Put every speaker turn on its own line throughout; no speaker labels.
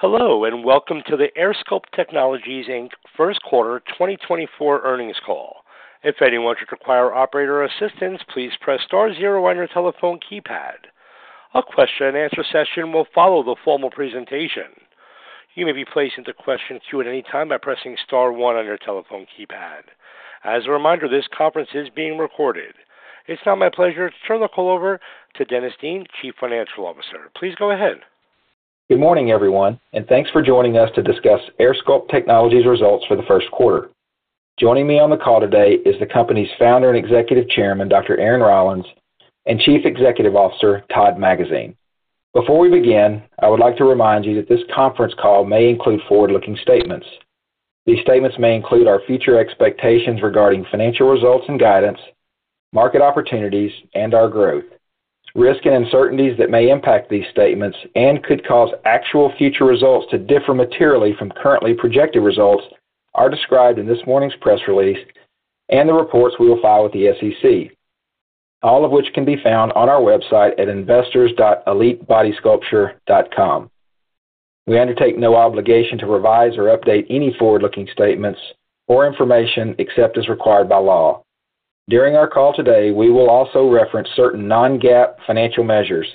Hello and welcome to the AirSculpt Technologies, Inc., first quarter 2024 earnings call. If anyone should require operator assistance, please press star zero on your telephone keypad. A question-and-answer session will follow the formal presentation. You may be placed into question queue at any time by pressing star one on your telephone keypad. As a reminder, this conference is being recorded. It's now my pleasure to turn the call over to Dennis Dean, Chief Financial Officer. Please go ahead.
Good morning, everyone, and thanks for joining us to discuss AirSculpt Technologies' results for the first quarter. Joining me on the call today is the company's founder and executive chairman, Dr. Aaron Rollins, and Chief Executive Officer, Todd Magazine. Before we begin, I would like to remind you that this conference call may include forward-looking statements. These statements may include our future expectations regarding financial results and guidance, market opportunities, and our growth. Risk and uncertainties that may impact these statements and could cause actual future results to differ materially from currently projected results are described in this morning's press release and the reports we will file with the SEC, all of which can be found on our website at investors.elitebodysculpture.com. We undertake no obligation to revise or update any forward-looking statements or information except as required by law. During our call today, we will also reference certain non-GAAP financial measures.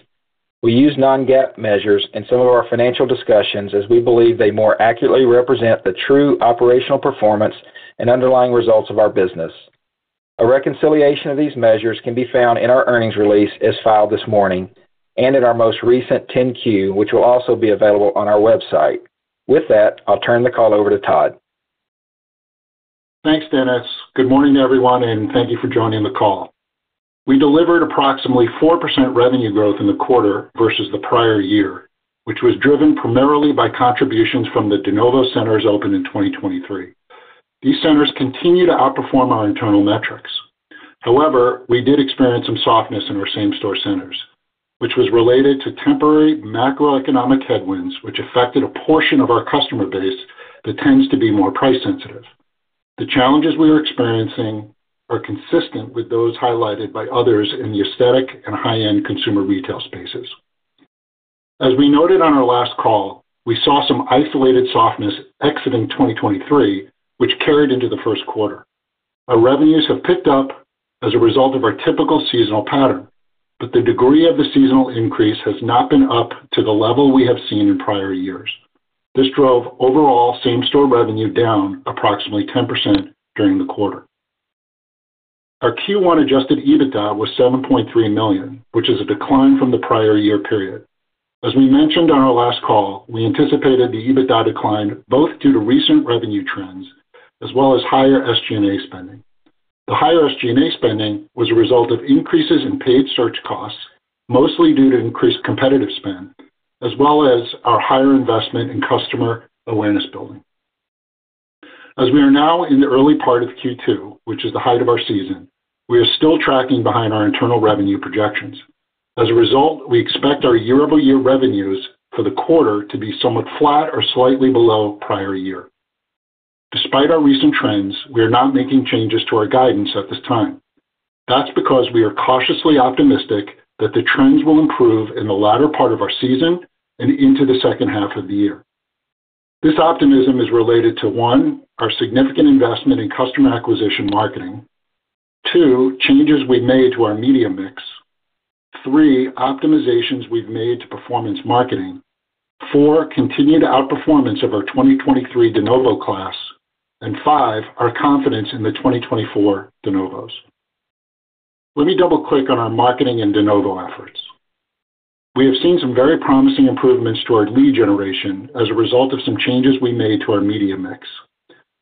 We use non-GAAP measures in some of our financial discussions as we believe they more accurately represent the true operational performance and underlying results of our business. A reconciliation of these measures can be found in our earnings release as filed this morning and in our most recent 10-Q, which will also be available on our website. With that, I'll turn the call over to Todd.
Thanks, Dennis. Good morning to everyone, and thank you for joining the call. We delivered approximately 4% revenue growth in the quarter versus the prior year, which was driven primarily by contributions from the De Novo centers opened in 2023. These centers continue to outperform our internal metrics. However, we did experience some softness in our same-store centers, which was related to temporary macroeconomic headwinds which affected a portion of our customer base that tends to be more price-sensitive. The challenges we are experiencing are consistent with those highlighted by others in the aesthetic and high-end consumer retail spaces. As we noted on our last call, we saw some isolated softness exiting 2023, which carried into the first quarter. Our revenues have picked up as a result of our typical seasonal pattern, but the degree of the seasonal increase has not been up to the level we have seen in prior years. This drove overall same-store revenue down approximately 10% during the quarter. Our Q1 adjusted EBITDA was $7.3 million, which is a decline from the prior year period. As we mentioned on our last call, we anticipated the EBITDA decline both due to recent revenue trends as well as higher SG&A spending. The higher SG&A spending was a result of increases in paid search costs, mostly due to increased competitive spend, as well as our higher investment in customer awareness building. As we are now in the early part of Q2, which is the height of our season, we are still tracking behind our internal revenue projections. As a result, we expect our year-over-year revenues for the quarter to be somewhat flat or slightly below prior year. Despite our recent trends, we are not making changes to our guidance at this time. That's because we are cautiously optimistic that the trends will improve in the latter part of our season and into the second half of the year. This optimism is related to, one, our significant investment in customer acquisition marketing, two, changes we've made to our media mix, three, optimizations we've made to performance marketing, four, continued outperformance of our 2023 De Novo class, and five, our confidence in the 2024 De Novos. Let me double-click on our marketing and De Novo efforts. We have seen some very promising improvements toward lead generation as a result of some changes we made to our media mix.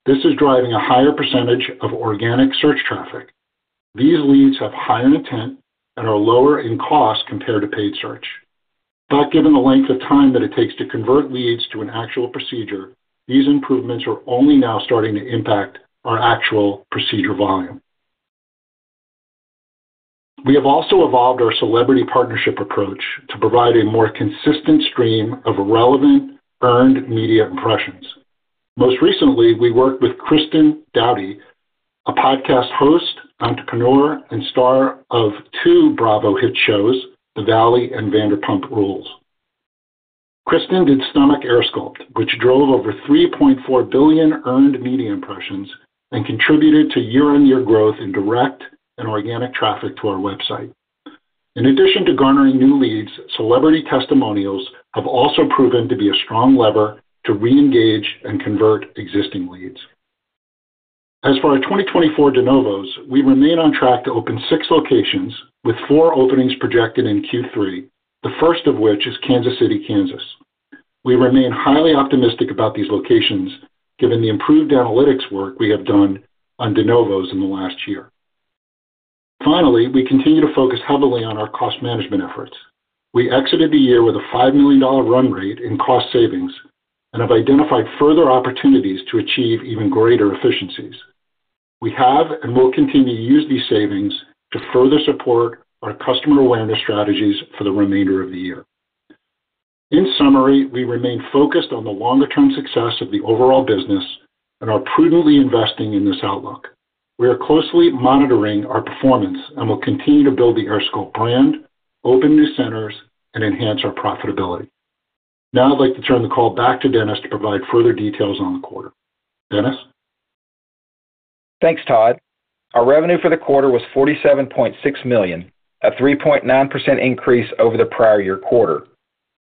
This is driving a higher percentage of organic search traffic. These leads have higher intent and are lower in cost compared to paid search. But given the length of time that it takes to convert leads to an actual procedure, these improvements are only now starting to impact our actual procedure volume. We have also evolved our celebrity partnership approach to provide a more consistent stream of relevant earned media impressions. Most recently, we worked with Kristen Doute, a podcast host, entrepreneur, and star of two Bravo hit shows, The Valley and Vanderpump Rules. Kristen did Stomach AirSculpt, which drove over $3.4 billion earned media impressions and contributed to year-on-year growth in direct and organic traffic to our website. In addition to garnering new leads, celebrity testimonials have also proven to be a strong lever to re-engage and convert existing leads. As for our 2024 De Novos, we remain on track to open six locations with four openings projected in Q3, the first of which is Kansas City, Kansas. We remain highly optimistic about these locations given the improved analytics work we have done on De Novos in the last year. Finally, we continue to focus heavily on our cost management efforts. We exited the year with a $5 million run rate in cost savings and have identified further opportunities to achieve even greater efficiencies. We have and will continue to use these savings to further support our customer awareness strategies for the remainder of the year. In summary, we remain focused on the longer-term success of the overall business and are prudently investing in this outlook. We are closely monitoring our performance and will continue to build the AirSculpt brand, open new centers, and enhance our profitability. Now, I'd like to turn the call back to Dennis to provide further details on the quarter. Dennis?
Thanks, Todd. Our revenue for the quarter was $47.6 million, a 3.9% increase over the prior year quarter.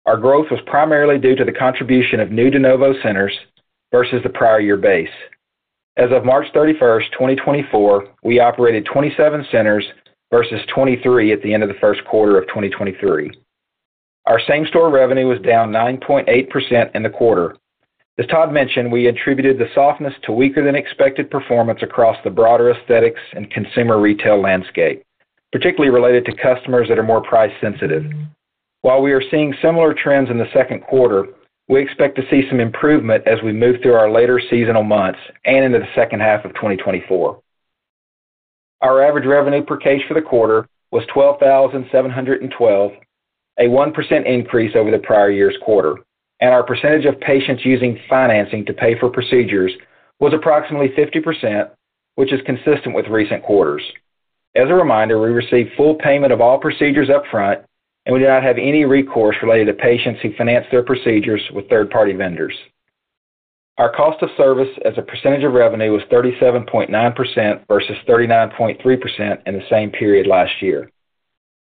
Our growth was primarily due to the contribution of new De Novo centers versus the prior year base. As of March 31st, 2024, we operated 27 centers versus 23 at the end of the first quarter of 2023. Our same-store revenue was down 9.8% in the quarter. As Todd mentioned, we attributed the softness to weaker-than-expected performance across the broader aesthetics and consumer retail landscape, particularly related to customers that are more price-sensitive. While we are seeing similar trends in the second quarter, we expect to see some improvement as we move through our later seasonal months and into the second half of 2024. Our average revenue per case for the quarter was $12,712, a 1% increase over the prior year's quarter. Our percentage of patients using financing to pay for procedures was approximately 50%, which is consistent with recent quarters. As a reminder, we received full payment of all procedures upfront, and we did not have any recourse related to patients who financed their procedures with third-party vendors. Our cost of service as a percentage of revenue was 37.9% versus 39.3% in the same period last year.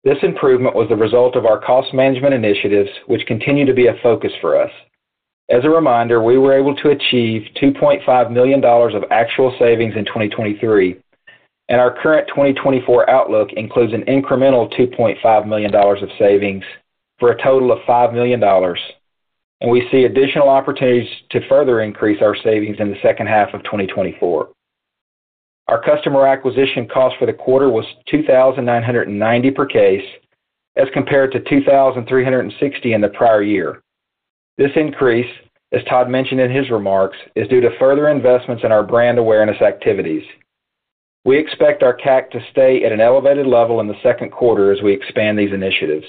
This improvement was the result of our cost management initiatives, which continue to be a focus for us. As a reminder, we were able to achieve $2.5 million of actual savings in 2023, and our current 2024 outlook includes an incremental $2.5 million of savings for a total of $5 million. We see additional opportunities to further increase our savings in the second half of 2024. Our customer acquisition cost for the quarter was $2,990 per case as compared to $2,360 in the prior year. This increase, as Todd mentioned in his remarks, is due to further investments in our brand awareness activities. We expect our CAC to stay at an elevated level in the second quarter as we expand these initiatives.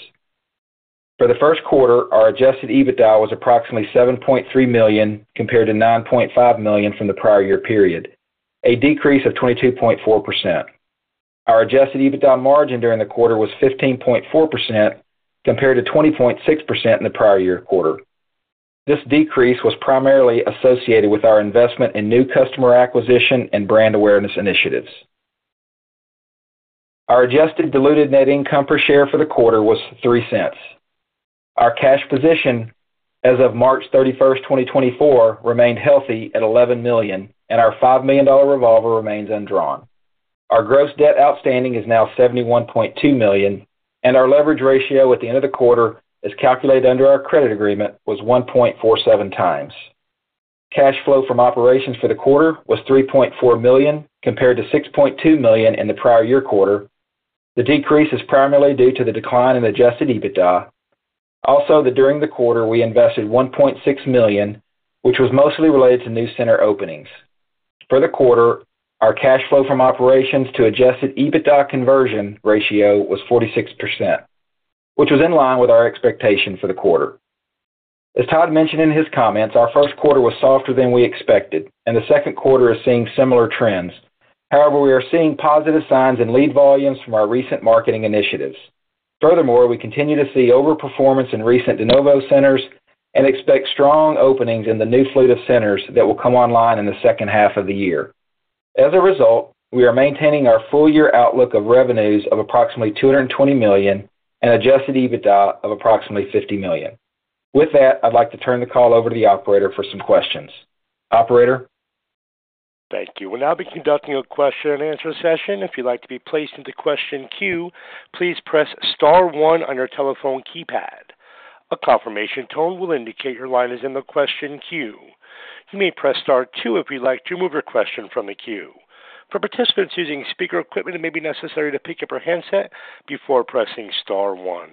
For the first quarter, our adjusted EBITDA was approximately $7.3 million compared to $9.5 million from the prior year period, a decrease of 22.4%. Our adjusted EBITDA margin during the quarter was 15.4% compared to 20.6% in the prior year quarter. This decrease was primarily associated with our investment in new customer acquisition and brand awareness initiatives. Our adjusted diluted net income per share for the quarter was $0.03. Our cash position, as of March 31st, 2024, remained healthy at $11 million, and our $5 million revolver remains undrawn. Our gross debt outstanding is now $71.2 million, and our leverage ratio at the end of the quarter, as calculated under our credit agreement, was 1.47x. Cash flow from operations for the quarter was $3.4 million compared to $6.2 million in the prior year quarter. The decrease is primarily due to the decline in Adjusted EBITDA. Also, during the quarter, we invested $1.6 million, which was mostly related to new center openings. For the quarter, our cash flow from operations to Adjusted EBITDA conversion ratio was 46%, which was in line with our expectation for the quarter. As Todd mentioned in his comments, our first quarter was softer than we expected, and the second quarter is seeing similar trends. However, we are seeing positive signs in lead volumes from our recent marketing initiatives. Furthermore, we continue to see overperformance in recent De Novo centers and expect strong openings in the new fleet of centers that will come online in the second half of the year. As a result, we are maintaining our full-year outlook of revenues of approximately $220 million and Adjusted EBITDA of approximately $50 million. With that, I'd like to turn the call over to the operator for some questions. Operator?
Thank you. We'll now be conducting a question-and-answer session. If you'd like to be placed into question queue, please press star one on your telephone keypad. A confirmation tone will indicate your line is in the question queue. You may press star two if you'd like to remove your question from the queue. For participants using speaker equipment, it may be necessary to pick up your handset before pressing star one.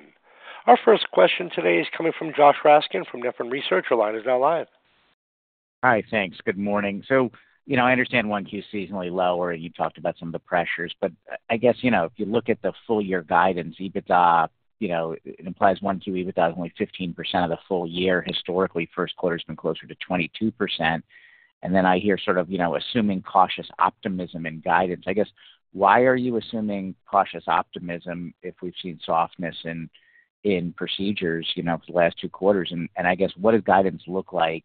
Our first question today is coming from Josh Raskin from Nephron Research. Your line is now live.
Hi. Thanks. Good morning. So I understand 1Q is seasonally lower, and you talked about some of the pressures. But I guess if you look at the full-year guidance, it implies 1Q EBITDA is only 15% of the full year. Historically, first quarter has been closer to 22%. And then I hear sort of assuming cautious optimism and guidance. I guess why are you assuming cautious optimism if we've seen softness in procedures for the last two quarters? And I guess what does guidance look like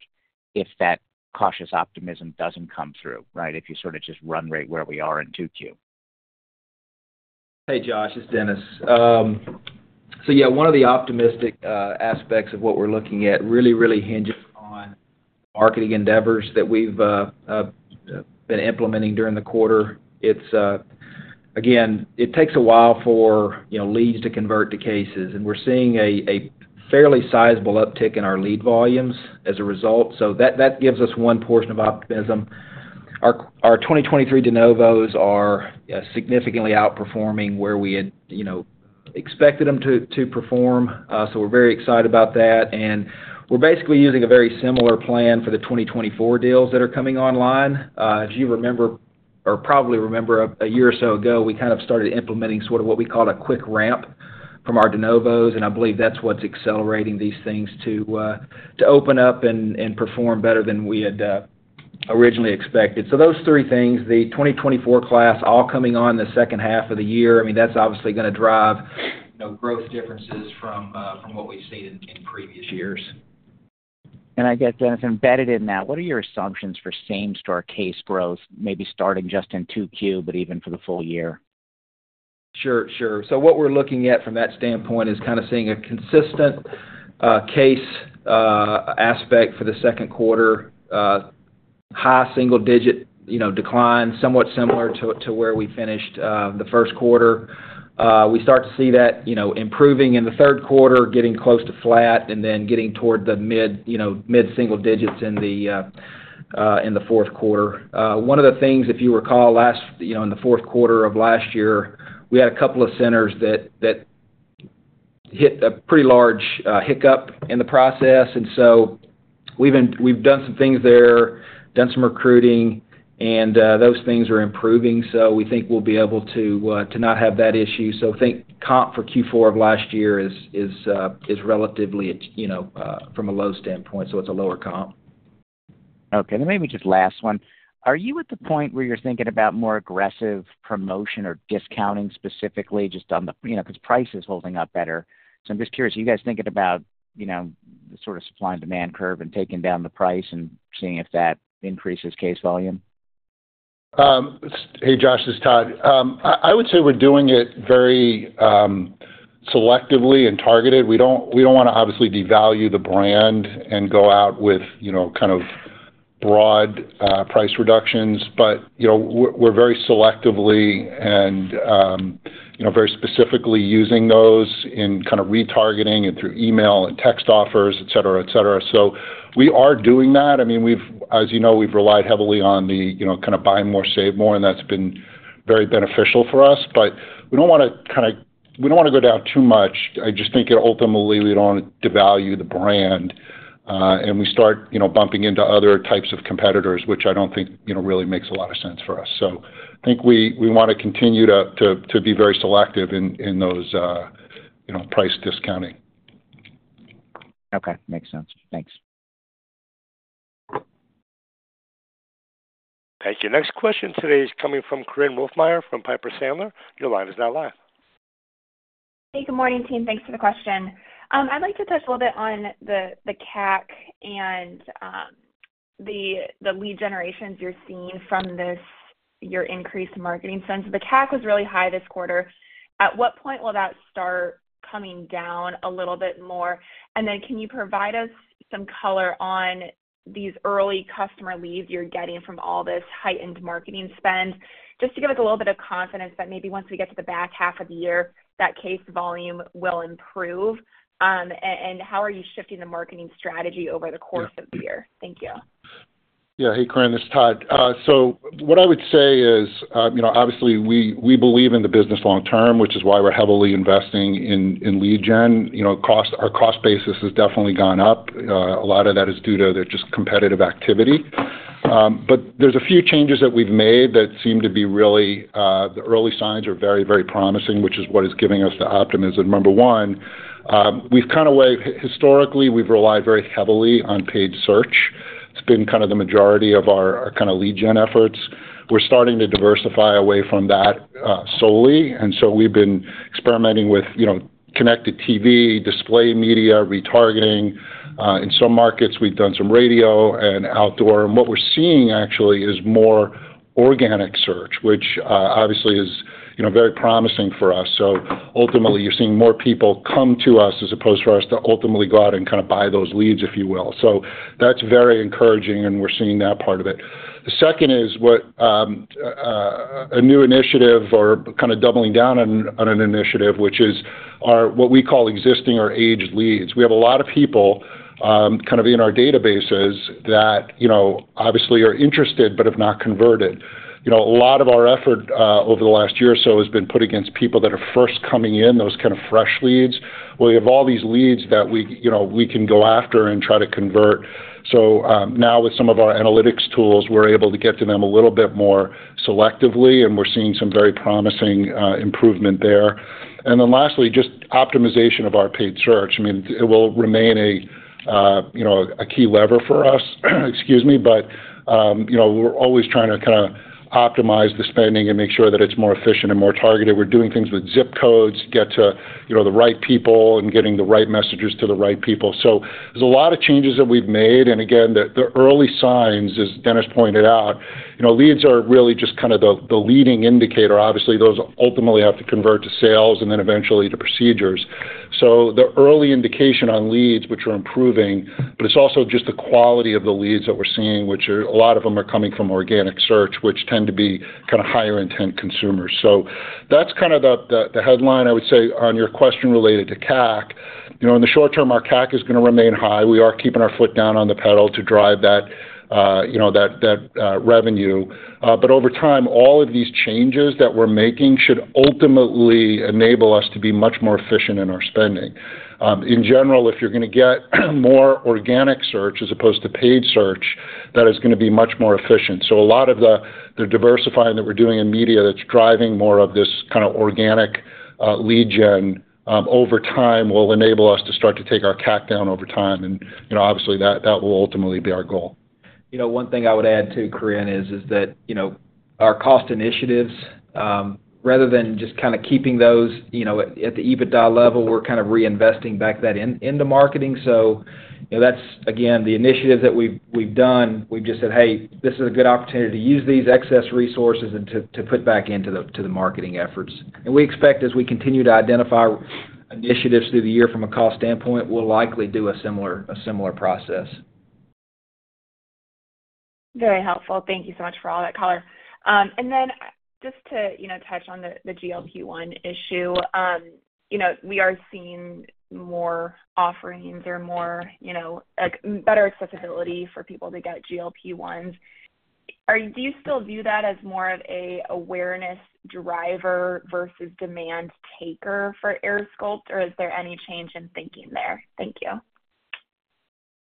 if that cautious optimism doesn't come through, right, if you sort of just run rate where we are in 2Q?
Hey, Josh. It's Dennis. So yeah, one of the optimistic aspects of what we're looking at really, really hinges on marketing endeavors that we've been implementing during the quarter. Again, it takes a while for leads to convert to cases, and we're seeing a fairly sizable uptick in our lead volumes as a result. So that gives us one portion of optimism. Our 2023 De Novos are significantly outperforming where we had expected them to perform. So we're very excited about that. And we're basically using a very similar plan for the 2024 De Novos that are coming online. If you remember or probably remember, a year or so ago, we kind of started implementing sort of what we called a quick ramp from our De Novos, and I believe that's what's accelerating these things to open up and perform better than we had originally expected. Those three things, the 2024 class all coming on the second half of the year, I mean, that's obviously going to drive gross differences from what we've seen in previous years.
I guess, Dennis, embedded in that, what are your assumptions for same-store case growth, maybe starting just in 2Q but even for the full year?
Sure. Sure. So what we're looking at from that standpoint is kind of seeing a consistent case aspect for the second quarter, high single-digit decline, somewhat similar to where we finished the first quarter. We start to see that improving in the third quarter, getting close to flat, and then getting toward the mid-single digits in the fourth quarter. One of the things, if you recall, in the fourth quarter of last year, we had a couple of centers that hit a pretty large hiccup in the process. And so we've done some things there, done some recruiting, and those things are improving. So we think we'll be able to not have that issue. So I think comp for Q4 of last year is relatively from a low standpoint, so it's a lower comp.
Okay. Then maybe just last one. Are you at the point where you're thinking about more aggressive promotion or discounting specifically just on the because price is holding up better? So I'm just curious, are you guys thinking about the sort of supply and demand curve and taking down the price and seeing if that increases case volume?
Hey, Josh. It's Todd. I would say we're doing it very selectively and targeted. We don't want to obviously devalue the brand and go out with kind of broad price reductions. But we're very selectively and very specifically using those in kind of retargeting and through email and text offers, etc., etc. So we are doing that. I mean, as you know, we've relied heavily on the kind of buy more, save more, and that's been very beneficial for us. But we don't want to kind of we don't want to go down too much. I just think ultimately, we don't want to devalue the brand. And we start bumping into other types of competitors, which I don't think really makes a lot of sense for us. So I think we want to continue to be very selective in those price discounting.
Okay. Makes sense. Thanks.
Thank you. Next question today is coming from Korinne Wolfmeyer from Piper Sandler. Your line is now live.
Hey. Good morning, team. Thanks for the question. I'd like to touch a little bit on the CAC and the lead generations you're seeing from your increased marketing spend. So the CAC was really high this quarter. At what point will that start coming down a little bit more? And then can you provide us some color on these early customer leads you're getting from all this heightened marketing spend, just to give us a little bit of confidence that maybe once we get to the back half of the year, that case volume will improve? And how are you shifting the marketing strategy over the course of the year? Thank you.
Yeah. Hey, Korinne. It's Todd. So what I would say is, obviously, we believe in the business long term, which is why we're heavily investing in lead gen. Our cost basis has definitely gone up. A lot of that is due to just competitive activity. But there's a few changes that we've made that seem to be really the early signs are very, very promising, which is what is giving us the optimism. Number one, we've kind of historically, we've relied very heavily on paid search. It's been kind of the majority of our kind of lead gen efforts. We're starting to diversify away from that solely. And so we've been experimenting with connected TV, display media, retargeting. In some markets, we've done some radio and outdoor. And what we're seeing, actually, is more organic search, which obviously is very promising for us. So ultimately, you're seeing more people come to us as opposed to us to ultimately go out and kind of buy those leads, if you will. So that's very encouraging, and we're seeing that part of it. The second is a new initiative or kind of doubling down on an initiative, which is what we call existing or aged leads. We have a lot of people kind of in our databases that obviously are interested but have not converted. A lot of our effort over the last year or so has been put against people that are first coming in, those kind of fresh leads. Well, you have all these leads that we can go after and try to convert. So now, with some of our analytics tools, we're able to get to them a little bit more selectively, and we're seeing some very promising improvement there. And then lastly, just optimization of our paid search. I mean, it will remain a key lever for us, excuse me. But we're always trying to kind of optimize the spending and make sure that it's more efficient and more targeted. We're doing things with zip codes, get to the right people, and getting the right messages to the right people. So there's a lot of changes that we've made. And again, the early signs, as Dennis pointed out, leads are really just kind of the leading indicator. Obviously, those ultimately have to convert to sales and then eventually to procedures. So the early indication on leads, which are improving, but it's also just the quality of the leads that we're seeing, which a lot of them are coming from organic search, which tend to be kind of higher-intent consumers. So that's kind of the headline, I would say, on your question related to CAC. In the short term, our CAC is going to remain high. We are keeping our foot down on the pedal to drive that revenue. But over time, all of these changes that we're making should ultimately enable us to be much more efficient in our spending. In general, if you're going to get more organic search as opposed to paid search, that is going to be much more efficient. So a lot of the diversifying that we're doing in media that's driving more of this kind of organic lead gen over time will enable us to start to take our CAC down over time. And obviously, that will ultimately be our goal.
One thing I would add too, Korinne, is that our cost initiatives, rather than just kind of keeping those at the EBITDA level, we're kind of reinvesting back that into marketing. So that's, again, the initiatives that we've done. We've just said, "Hey, this is a good opportunity to use these excess resources and to put back into the marketing efforts." And we expect, as we continue to identify initiatives through the year from a cost standpoint, we'll likely do a similar process.
Very helpful. Thank you so much for all that color. And then just to touch on the GLP-1 issue, we are seeing more offerings or better accessibility for people to get GLP-1s. Do you still view that as more of an awareness driver versus demand taker for AirSculpt, or is there any change in thinking there? Thank you.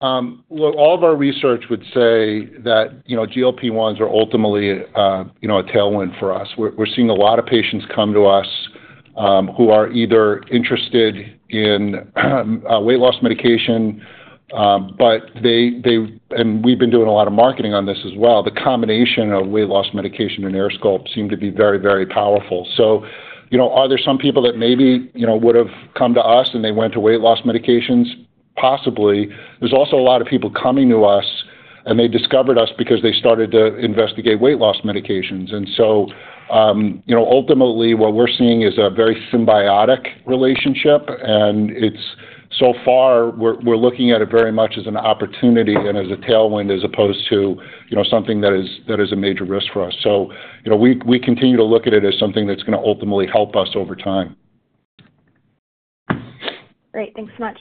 Look, all of our research would say that GLP-1s are ultimately a tailwind for us. We're seeing a lot of patients come to us who are either interested in weight loss medication, and we've been doing a lot of marketing on this as well. The combination of weight loss medication and AirSculpt seem to be very, very powerful. So are there some people that maybe would have come to us and they went to weight loss medications? Possibly. There's also a lot of people coming to us, and they discovered us because they started to investigate weight loss medications. And so ultimately, what we're seeing is a very symbiotic relationship. And so far, we're looking at it very much as an opportunity and as a tailwind as opposed to something that is a major risk for us. We continue to look at it as something that's going to ultimately help us over time.
Great. Thanks so much.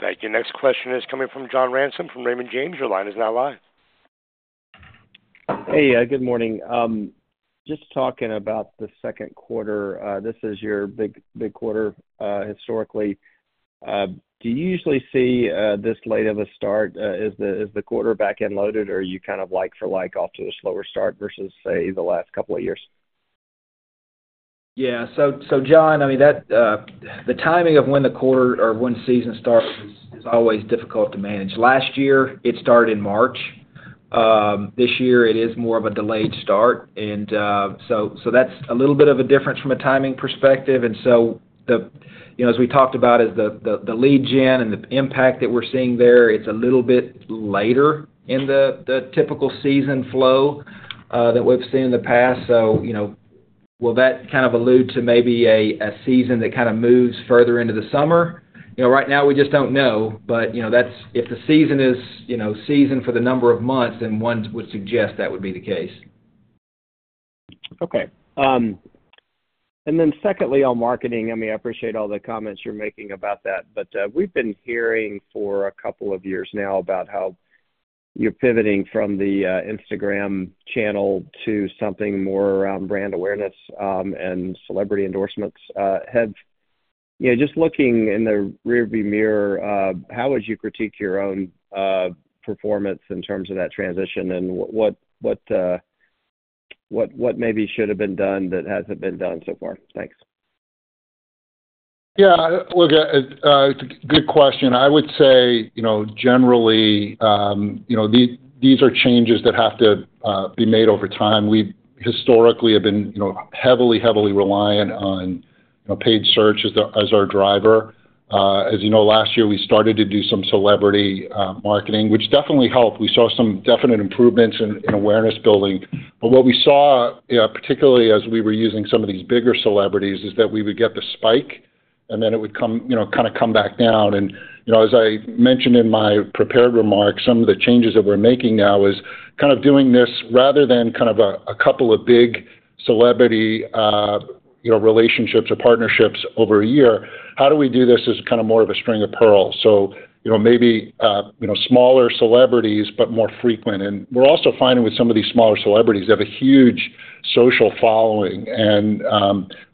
Thank you. Next question is coming from John Ransom from Raymond James. Your line is now live.
Hey. Good morning. Just talking about the second quarter. This is your big quarter, historically. Do you usually see this late of a start? Is the quarter back unloaded, or are you kind of like-for-like off to a slower start versus, say, the last couple of years?
Yeah. So John, I mean, the timing of when the quarter or when season starts is always difficult to manage. Last year, it started in March. This year, it is more of a delayed start. And so that's a little bit of a difference from a timing perspective. And so as we talked about, as the lead gen and the impact that we're seeing there, it's a little bit later in the typical season flow that we've seen in the past. So will that kind of allude to maybe a season that kind of moves further into the summer? Right now, we just don't know. But if the season is season for the number of months, then one would suggest that would be the case.
Okay. Then secondly, on marketing, I mean, I appreciate all the comments you're making about that. But we've been hearing for a couple of years now about how you're pivoting from the Instagram channel to something more around brand awareness and celebrity endorsements. Just looking in the rearview mirror, how would you critique your own performance in terms of that transition and what maybe should have been done that hasn't been done so far? Thanks.
Yeah. Look, it's a good question. I would say, generally, these are changes that have to be made over time. We historically have been heavily, heavily reliant on paid search as our driver. As you know, last year, we started to do some celebrity marketing, which definitely helped. We saw some definite improvements in awareness building. But what we saw, particularly as we were using some of these bigger celebrities, is that we would get the spike, and then it would kind of come back down. And as I mentioned in my prepared remarks, some of the changes that we're making now is kind of doing this rather than kind of a couple of big celebrity relationships or partnerships over a year. How do we do this as kind of more of a string of pearls? So maybe smaller celebrities but more frequent. And we're also finding with some of these smaller celebrities, they have a huge social following, and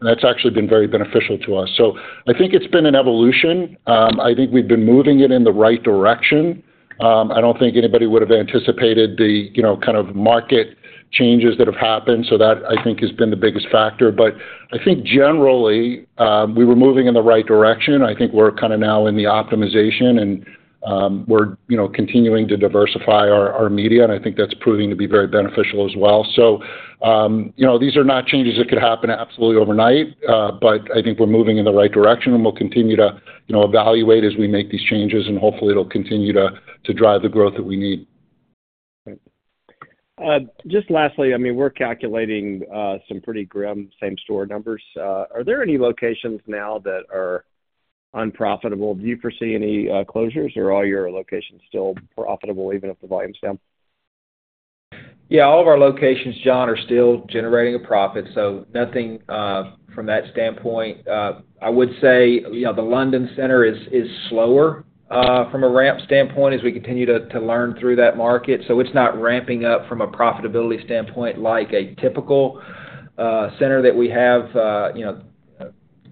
that's actually been very beneficial to us. So I think it's been an evolution. I think we've been moving it in the right direction. I don't think anybody would have anticipated the kind of market changes that have happened. So that, I think, has been the biggest factor. But I think, generally, we were moving in the right direction. I think we're kind of now in the optimization, and we're continuing to diversify our media. And I think that's proving to be very beneficial as well. So these are not changes that could happen absolutely overnight. But I think we're moving in the right direction, and we'll continue to evaluate as we make these changes. And hopefully, it'll continue to drive the growth that we need.
Great. Just lastly, I mean, we're calculating some pretty grim same-store numbers. Are there any locations now that are unprofitable? Do you foresee any closures, or are all your locations still profitable even if the volume's down?
Yeah. All of our locations, John, are still generating a profit. So nothing from that standpoint. I would say the London Center is slower from a ramp standpoint as we continue to learn through that market. So it's not ramping up from a profitability standpoint like a typical center that we have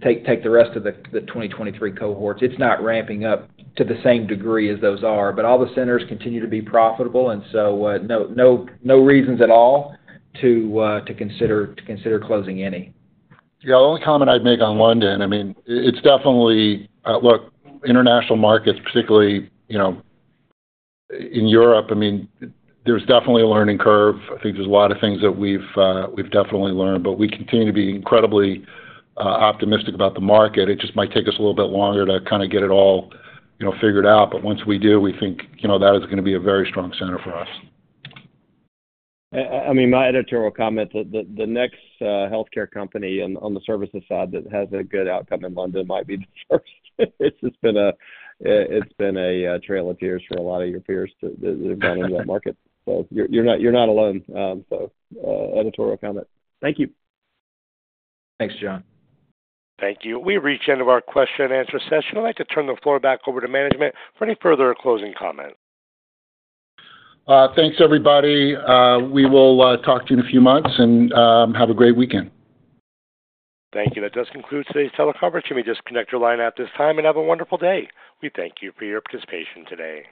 take the rest of the 2023 cohorts. It's not ramping up to the same degree as those are. But all the centers continue to be profitable. And so no reasons at all to consider closing any.
Yeah. The only comment I'd make on London, I mean, it's definitely look, international markets, particularly in Europe, I mean, there's definitely a learning curve. I think there's a lot of things that we've definitely learned. But we continue to be incredibly optimistic about the market. It just might take us a little bit longer to kind of get it all figured out. But once we do, we think that is going to be a very strong center for us.
I mean, my editorial comment, the next healthcare company on the services side that has a good outcome in London might be the first. It's been a trail of tears for a lot of your peers that have gone into that market. So you're not alone, so. Editorial comment. Thank you.
Thanks, John.
Thank you. We reached the end of our question-and-answer session. I'd like to turn the floor back over to management for any further or closing comments.
Thanks, everybody. We will talk to you in a few months and have a great weekend.
Thank you. That does conclude today's telecoverage. You may just connect your line at this time and have a wonderful day. We thank you for your participation today.